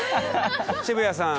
渋谷さん